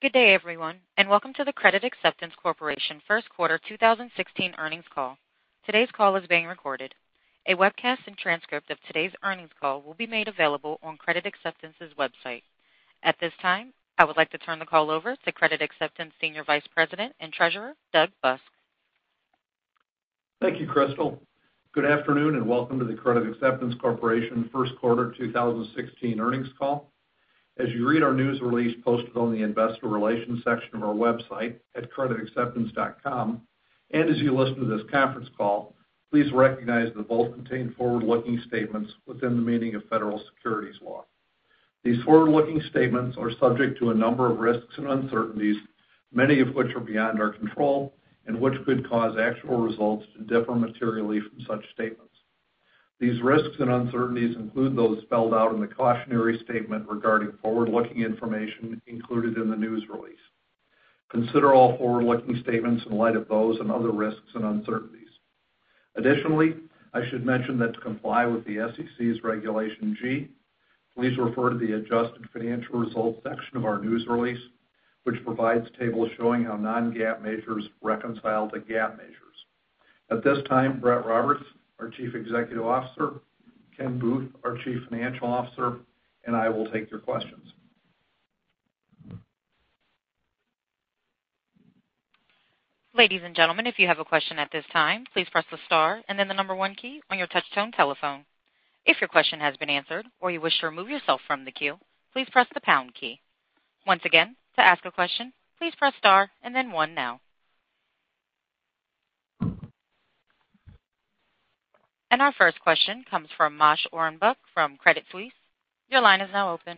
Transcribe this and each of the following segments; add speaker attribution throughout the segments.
Speaker 1: Good day, everyone. Welcome to the Credit Acceptance Corporation First Quarter 2016 earnings call. Today's call is being recorded. A webcast and transcript of today's earnings call will be made available on Credit Acceptance's website. At this time, I would like to turn the call over to Credit Acceptance Senior Vice President and Treasurer, Doug Busk.
Speaker 2: Thank you, Crystal. Good afternoon. Welcome to the Credit Acceptance Corporation First Quarter 2016 earnings call. As you read our news release posted on the investor relations section of our website at creditacceptance.com, as you listen to this conference call, please recognize that both contain forward-looking statements within the meaning of federal securities law. These forward-looking statements are subject to a number of risks and uncertainties, many of which are beyond our control, which could cause actual results to differ materially from such statements. These risks and uncertainties include those spelled out in the cautionary statement regarding forward-looking information included in the news release. Consider all forward-looking statements in light of those and other risks and uncertainties. Additionally, I should mention that to comply with the SEC's Regulation G, please refer to the adjusted financial results section of our news release, which provides tables showing how non-GAAP measures reconcile to GAAP measures. At this time, Brett Roberts, our Chief Executive Officer, Kenneth Booth, our Chief Financial Officer, I will take your questions.
Speaker 1: Ladies and gentlemen, if you have a question at this time, please press the star and then the number one key on your touch-tone telephone. If your question has been answered or you wish to remove yourself from the queue, please press the pound key. Once again, to ask a question, please press star and then one now. Our first question comes from Moshe Orenbuch from Credit Suisse. Your line is now open.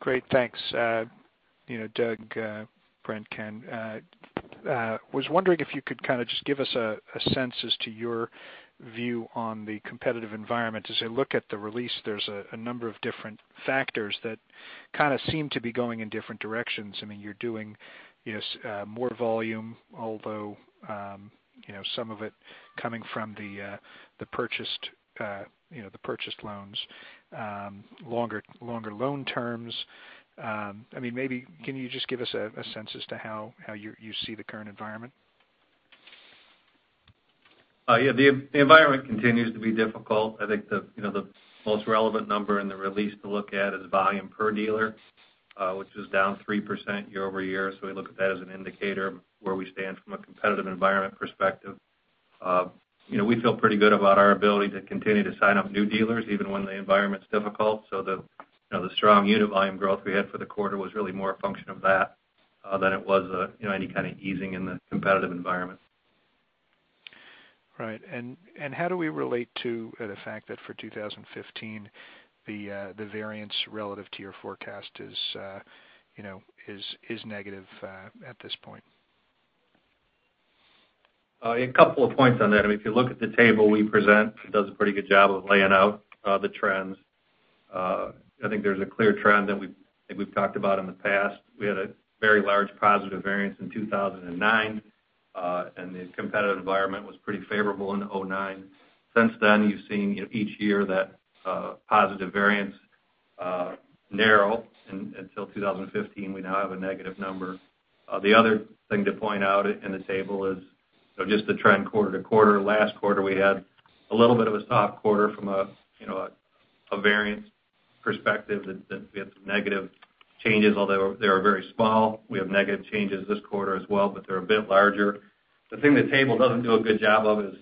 Speaker 3: Great. Thanks, Doug, Brett, Ken. I was wondering if you could kind of just give us a sense as to your view on the competitive environment. As I look at the release, there are a number of different factors that kind of seem to be going in different directions. You're doing more volume, although some of it coming from the purchased loans. Longer loan terms. Maybe, can you just give us a sense as to how you see the current environment?
Speaker 2: Yeah. The environment continues to be difficult. I think the most relevant number in the release to look at is volume per dealer, which is down 3% year-over-year. We look at that as an indicator of where we stand from a competitive environment perspective. We feel pretty good about our ability to continue to sign up new dealers, even when the environment's difficult. The strong unit volume growth we had for the quarter was really more a function of that than it was any kind of easing in the competitive environment.
Speaker 3: Right. How do we relate to the fact that for 2015, the variance relative to your forecast is negative at this point?
Speaker 2: A couple of points on that. If you look at the table we present, it does a pretty good job of laying out the trends. I think there's a clear trend that we've talked about in the past. We had a very large positive variance in 2009, and the competitive environment was pretty favorable in 2009. Since then, you've seen each year that positive variance narrow, until 2015. We now have a negative number. The other thing to point out in the table is just the trend quarter-to-quarter. Last quarter, we had a little bit of a soft quarter from a variance perspective that we had some negative changes, although they were very small. We have negative changes this quarter as well, but they're a bit larger. The thing the table doesn't do a good job of is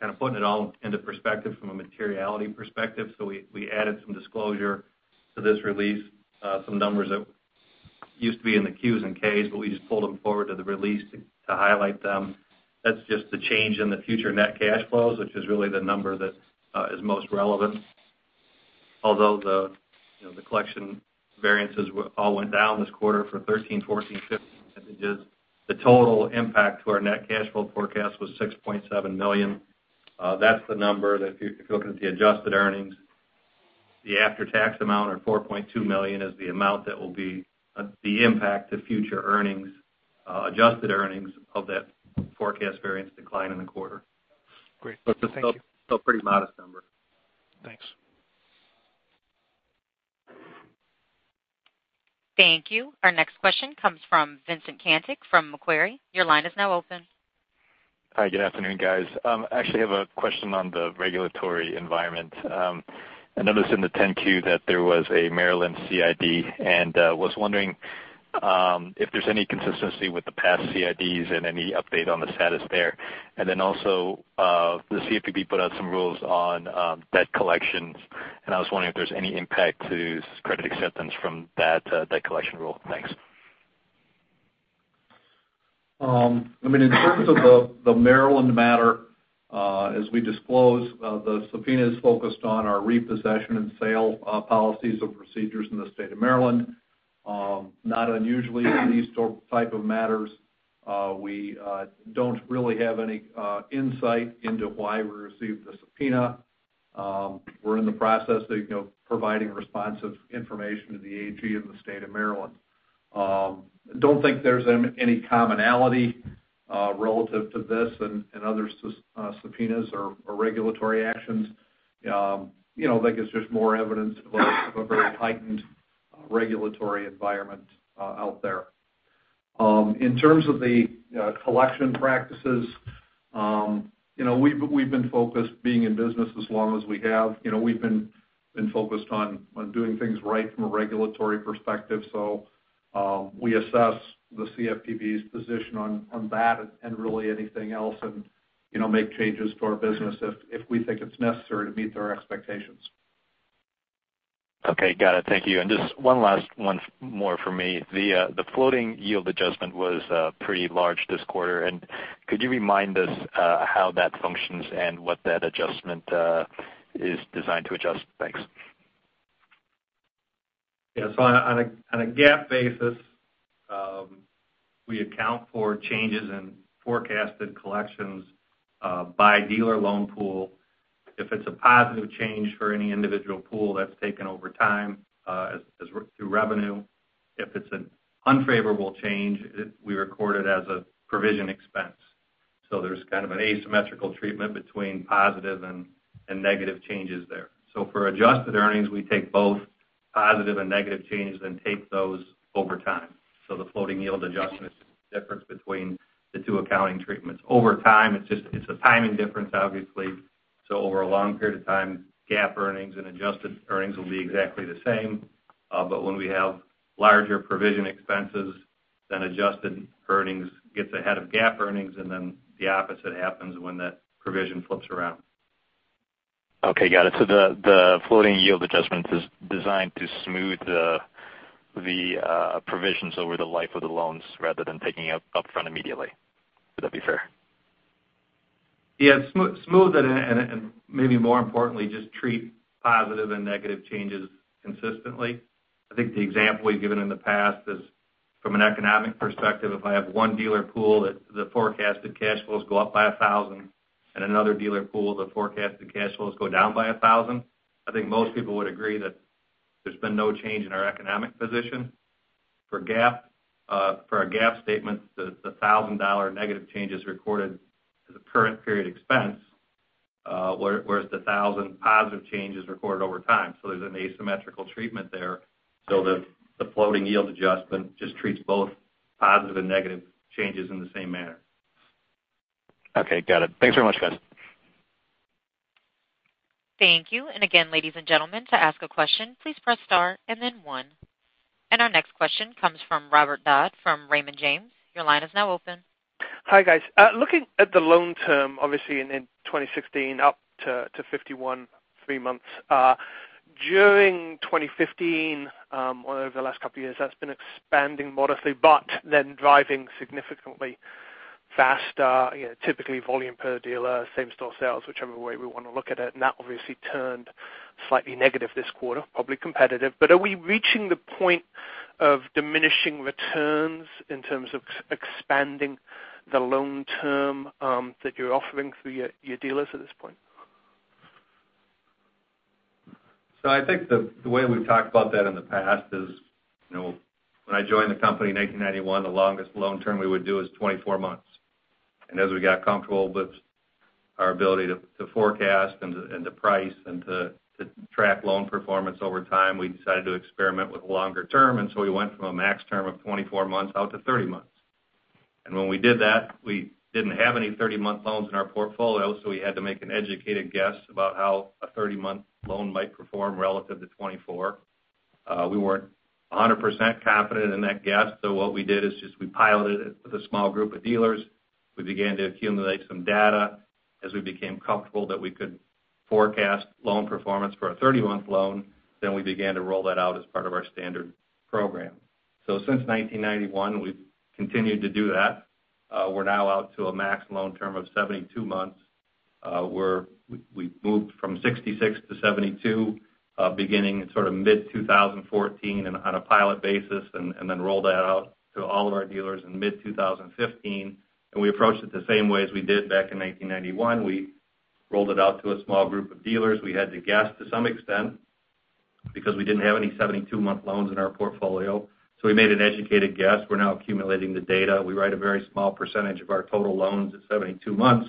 Speaker 2: kind of putting it all into perspective from a materiality perspective. We added some disclosure to this release. Some numbers that used to be in the Qs and Ks, but we just pulled them forward to the release to highlight them. That's just the change in the future net cash flows, which is really the number that is most relevant. Although the collection variances all went down this quarter for 2013, 2014, and 2015 vintages. The total impact to our net cash flow forecast was $6.7 million. That's the number that if you look at the adjusted earnings, the after-tax amount of $4.2 million is the amount that will be the impact to future earnings, adjusted earnings of that forecast variance decline in the quarter.
Speaker 3: Great. Thank you.
Speaker 2: A pretty modest number.
Speaker 3: Thanks.
Speaker 1: Thank you. Our next question comes from Vincent Caintic from Macquarie. Your line is now open.
Speaker 4: Hi. Good afternoon, guys. I actually have a question on the regulatory environment. I noticed in the 10-Q that there was a Maryland CID, and was wondering if there's any consistency with the past CIDs and any update on the status there. Then also, the CFPB put out some rules on debt collections, and I was wondering if there's any impact to Credit Acceptance from that debt collection rule. Thanks.
Speaker 2: In terms of the Maryland matter, as we disclosed, the subpoena is focused on our repossession and sale policies and procedures in the state of Maryland. Not unusually in these type of matters, we don't really have any insight into why we received the subpoena. We're in the process of providing responsive information to the AG in the state of Maryland. Don't think there's any commonality relative to this and other subpoenas or regulatory actions, I think it's just more evidence of a very heightened regulatory environment out there. In terms of the collection practices, being in business as long as we have, we've been focused on doing things right from a regulatory perspective. We assess the CFPB's position on that and really anything else, and make changes to our business if we think it's necessary to meet their expectations.
Speaker 4: Okay. Got it. Thank you. Just one last one more from me. The floating yield adjustment was pretty large this quarter. Could you remind us how that functions and what that adjustment is designed to adjust? Thanks.
Speaker 2: Yes. On a GAAP basis, we account for changes in forecasted collections by dealer loan pool. If it's a positive change for any individual pool, that's taken over time through revenue. If it's an unfavorable change, we record it as a provision expense. There's kind of an asymmetrical treatment between positive and negative changes there. For adjusted earnings, we take both positive and negative changes, then take those over time. The floating yield adjustment is the difference between the two accounting treatments. Over time, it's a timing difference, obviously. Over a long period of time, GAAP earnings and adjusted earnings will be exactly the same. When we have larger provision expenses, then adjusted earnings gets ahead of GAAP earnings, and then the opposite happens when that provision flips around.
Speaker 4: Okay. Got it. The floating yield adjustment is designed to smooth the provisions over the life of the loans rather than taking it up front immediately. Would that be fair?
Speaker 2: Yeah. Smooth, and maybe more importantly, just treat positive and negative changes consistently. I think the example we've given in the past is from an economic perspective, if I have one dealer pool that the forecasted cash flows go up by $1,000, and another dealer pool, the forecasted cash flows go down by $1,000. I think most people would agree that there's been no change in our economic position. For a GAAP statement, the $1,000 negative change is recorded as a current period expense, whereas the $1,000 positive change is recorded over time. There's an asymmetrical treatment there. The floating yield adjustment just treats both positive and negative changes in the same manner.
Speaker 4: Okay, got it. Thanks very much, guys.
Speaker 1: Thank you. Again, ladies and gentlemen, to ask a question, please press star and then one. Our next question comes from Robert Dodd from Raymond James. Your line is now open.
Speaker 5: Hi, guys. Looking at the loan term, obviously in 2016, up to 51.3 months. During 2015, over the last couple of years, that's been expanding modestly, driving significantly faster. Typically volume per dealer, same store sales, whichever way we want to look at it. That obviously turned slightly negative this quarter, probably competitive. Are we reaching the point of diminishing returns in terms of expanding the loan term that you're offering through your dealers at this point?
Speaker 2: I think the way we've talked about that in the past is, when I joined the company in 1991, the longest loan term we would do is 24 months. As we got comfortable with our ability to forecast and to price and to track loan performance over time, we decided to experiment with longer term. We went from a max term of 24 months out to 30 months. When we did that, we didn't have any 30-month loans in our portfolio, we had to make an educated guess about how a 30-month loan might perform relative to 24. We weren't 100% confident in that guess, what we did is just we piloted it with a small group of dealers. We began to accumulate some data. As we became comfortable that we could forecast loan performance for a 30-month loan, we began to roll that out as part of our standard program. Since 1991, we've continued to do that. We're now out to a max loan term of 72 months, where we moved from 66 to 72, beginning in mid-2014 on a pilot basis rolled that out to all of our dealers in mid-2015. We approached it the same way as we did back in 1991. We rolled it out to a small group of dealers. We had to guess to some extent because we didn't have any 72-month loans in our portfolio. We made an educated guess. We're now accumulating the data. We write a very small percentage of our total loans at 72 months.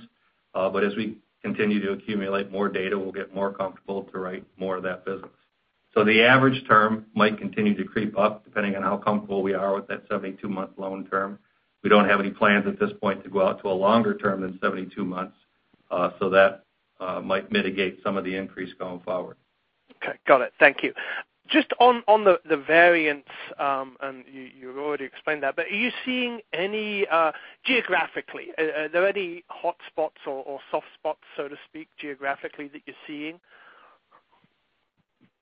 Speaker 2: As we continue to accumulate more data, we'll get more comfortable to write more of that business. The average term might continue to creep up depending on how comfortable we are with that 72-month loan term. We don't have any plans at this point to go out to a longer term than 72 months. That might mitigate some of the increase going forward.
Speaker 5: Okay. Got it. Thank you. Just on the variance, and you already explained that, but are you seeing any geographically, are there any hotspots or soft spots, so to speak, geographically that you're seeing?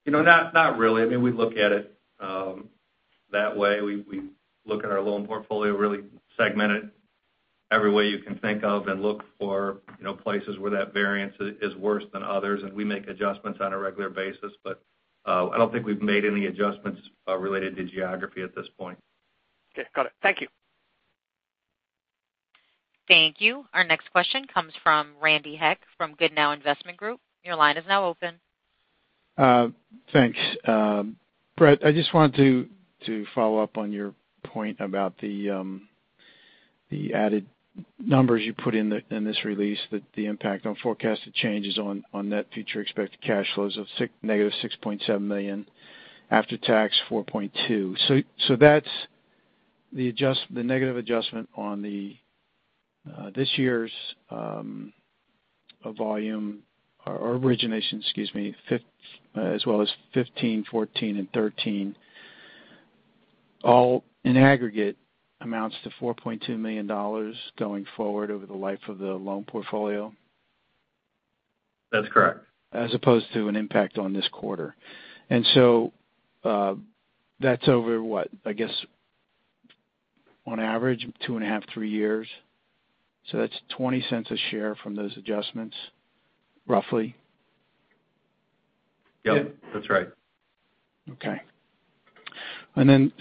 Speaker 2: Not really. We look at it that way. We look at our loan portfolio really segmented every way you can think of and look for places where that variance is worse than others. We make adjustments on a regular basis. I don't think we've made any adjustments related to geography at this point.
Speaker 5: Okay. Got it. Thank you.
Speaker 1: Thank you. Our next question comes from Randy Heck from Goodnow Investment Group. Your line is now open.
Speaker 6: Thanks. Brett, I just wanted to follow up on your point about the added numbers you put in this release, the impact on forecasted changes on net future expected cash flows of negative $6.7 million, after tax $4.2 million. That's the negative adjustment on this year's volume or origination, excuse me, as well as 2015, 2014, and 2013, all in aggregate amounts to $4.2 million going forward over the life of the loan portfolio?
Speaker 2: That's correct.
Speaker 6: As opposed to an impact on this quarter. That's over, what? I guess on average, two and a half, three years. That's $0.20 a share from those adjustments, roughly.
Speaker 2: Yep, that's right.
Speaker 6: Okay.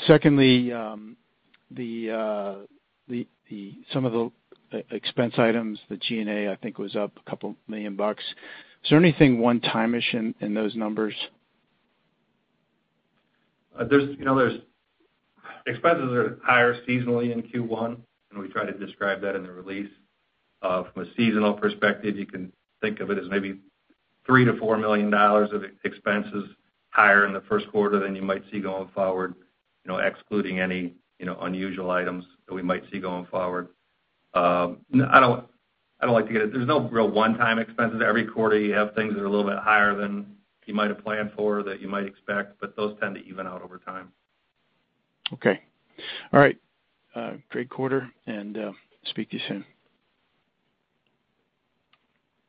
Speaker 6: Secondly, some of the expense items, the G&A, I think, was up a couple million dollars. Is there anything one-time-ish in those numbers?
Speaker 2: Expenses are higher seasonally in Q1. We try to describe that in the release. From a seasonal perspective, you can think of it as maybe $3 million-$4 million of expenses higher in the first quarter than you might see going forward, excluding any unusual items that we might see going forward. There is no real one-time expenses. Every quarter you have things that are a little bit higher than you might have planned for, that you might expect, but those tend to even out over time.
Speaker 6: Okay. All right. Great quarter. Speak to you soon.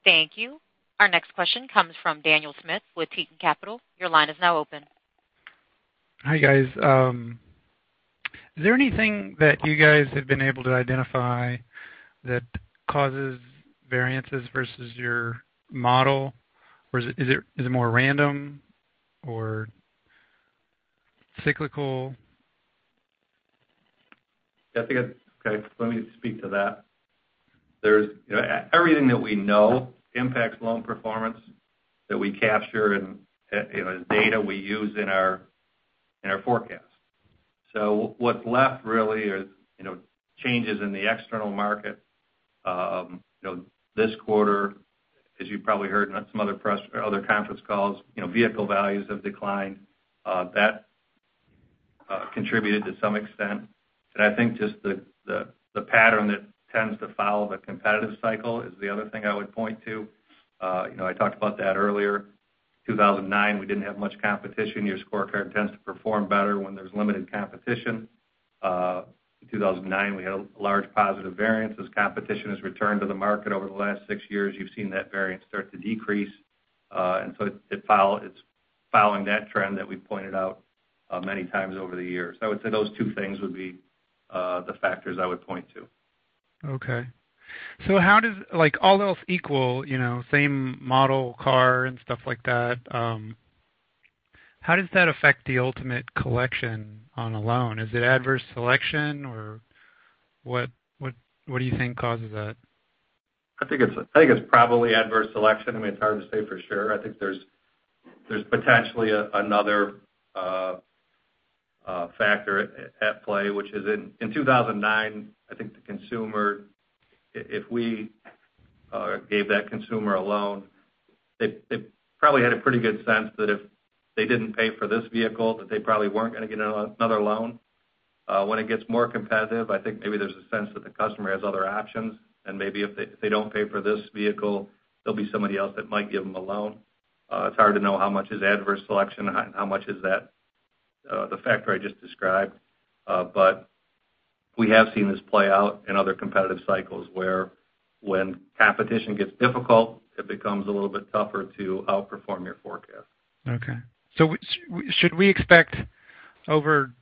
Speaker 1: Thank you. Our next question comes from Daniel Smith with Keaton Capital. Your line is now open.
Speaker 7: Hi, guys. Is there anything that you guys have been able to identify that causes variances versus your model? Or is it more random or cyclical?
Speaker 2: Let me speak to that. Everything that we know impacts loan performance that we capture and is data we use in our forecast. What's left really is changes in the external market. This quarter as you probably heard in some other conference calls, vehicle values have declined. That contributed to some extent. I think just the pattern that tends to follow the competitive cycle is the other thing I would point to. I talked about that earlier. 2009, we didn't have much competition. Your scorecard tends to perform better when there's limited competition. In 2009, we had a large positive variance. As competition has returned to the market over the last six years, you've seen that variance start to decrease. It's following that trend that we've pointed out many times over the years. I would say those two things would be the factors I would point to.
Speaker 7: Okay. All else equal, same model car and stuff like that, how does that affect the ultimate collection on a loan? Is it adverse selection or what do you think causes that?
Speaker 2: I think it's probably adverse selection. I mean, it's hard to say for sure. I think there's potentially another factor at play, which is in 2009, I think the consumer, if we gave that consumer a loan, they probably had a pretty good sense that if they didn't pay for this vehicle, that they probably weren't going to get another loan. When it gets more competitive, I think maybe there's a sense that the customer has other options, and maybe if they don't pay for this vehicle, there'll be somebody else that might give them a loan. It's hard to know how much is adverse selection and how much is the factor I just described. We have seen this play out in other competitive cycles where when competition gets difficult, it becomes a little bit tougher to outperform your forecast.
Speaker 7: Okay. Should we expect over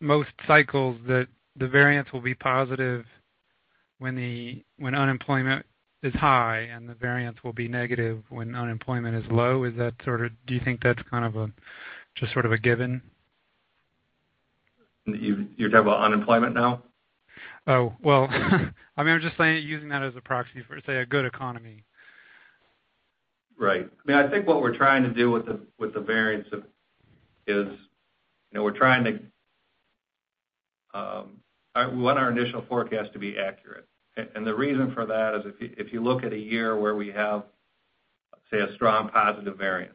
Speaker 7: most cycles that the variance will be positive when unemployment is high, and the variance will be negative when unemployment is low? Do you think that's kind of just sort of a given?
Speaker 2: You're talking about unemployment now?
Speaker 7: Oh. Well, I mean, I'm just saying, using that as a proxy for, say, a good economy.
Speaker 2: Right. I think what we're trying to do with the variance is we want our initial forecast to be accurate. The reason for that is if you look at a year where we have, say, a strong positive variance,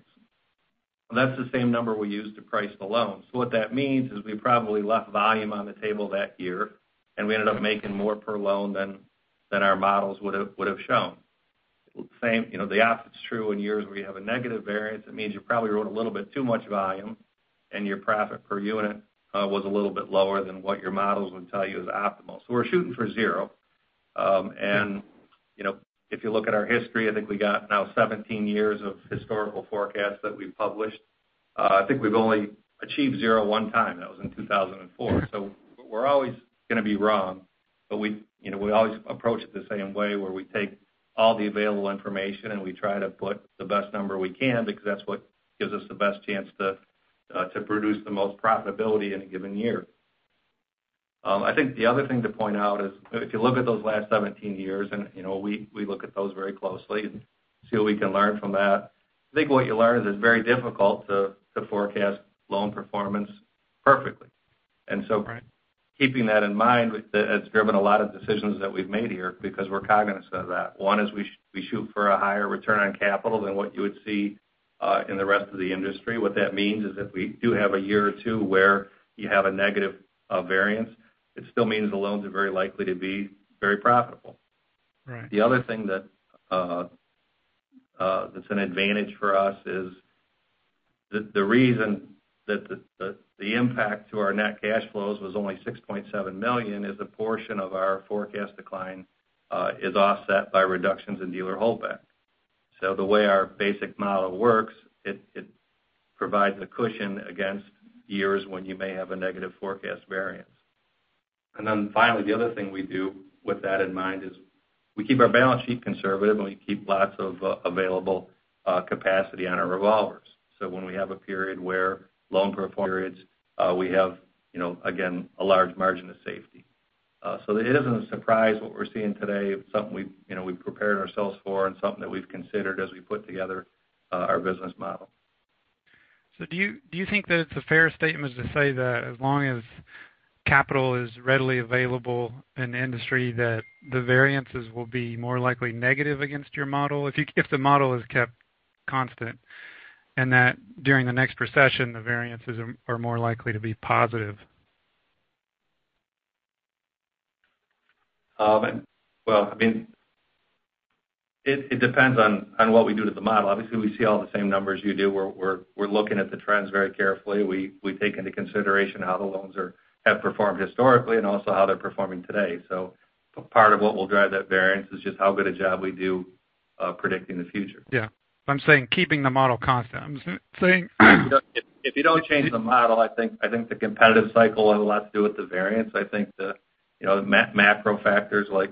Speaker 2: that's the same number we use to price the loan. What that means is we probably left volume on the table that year, and we ended up making more per loan than our models would've shown. The opposite is true in years where you have a negative variance. It means you probably wrote a little bit too much volume and your profit per unit was a little bit lower than what your models would tell you is optimal. We're shooting for zero. If you look at our history, I think we got now 17 years of historical forecasts that we've published. I think we've only achieved zero one time. That was in 2004. We're always going to be wrong, but we always approach it the same way, where we take all the available information and we try to put the best number we can because that's what gives us the best chance to produce the most profitability in a given year. I think the other thing to point out is, if you look at those last 17 years, we look at those very closely and see what we can learn from that, I think what you learn is it's very difficult to forecast loan performance perfectly.
Speaker 7: Right.
Speaker 2: Keeping that in mind, it's driven a lot of decisions that we've made here because we're cognizant of that. One is we shoot for a higher return on capital than what you would see in the rest of the industry. What that means is if we do have a year or two where you have a negative variance, it still means the loans are very likely to be very profitable.
Speaker 7: Right.
Speaker 2: The other thing that's an advantage for us is the reason that the impact to our net cash flows was only $6.7 million is a portion of our forecast decline is offset by reductions in dealer holdback. The way our basic model works, it provides a cushion against years when you may have a negative forecast variance. Finally, the other thing we do with that in mind is we keep our balance sheet conservative, and we keep lots of available capacity on our revolvers. When we have a period where loan performance periods, we have, again, a large margin of safety. It isn't a surprise what we're seeing today. It's something we've prepared ourselves for and something that we've considered as we put together our business model.
Speaker 7: Do you think that it's a fair statement to say that as long as capital is readily available in the industry, that the variances will be more likely negative against your model, if the model is kept constant, and that during the next recession, the variances are more likely to be positive?
Speaker 2: It depends on what we do to the model. Obviously, we see all the same numbers you do. We're looking at the trends very carefully. We take into consideration how the loans have performed historically and also how they're performing today. Part of what will drive that variance is just how good a job we do predicting the future.
Speaker 7: Yeah. I'm saying keeping the model constant.
Speaker 2: If you don't change the model, I think the competitive cycle will have a lot to do with the variance. I think the macro factors like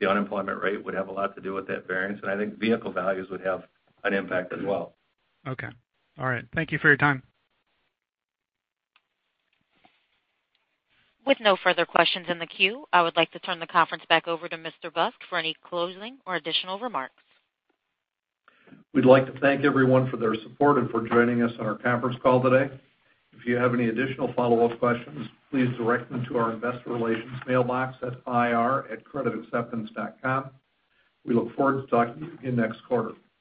Speaker 2: the unemployment rate would have a lot to do with that variance, and I think vehicle values would have an impact as well.
Speaker 7: Okay. All right. Thank you for your time.
Speaker 1: With no further questions in the queue, I would like to turn the conference back over to Mr. Busk for any closing or additional remarks.
Speaker 2: We'd like to thank everyone for their support and for joining us on our conference call today. If you have any additional follow-up questions, please direct them to our investor relations mailbox at ir@creditacceptance.com. We look forward to talking to you again next quarter. Thank you.